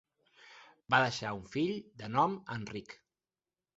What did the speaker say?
Va deixar un fill de nom Enric.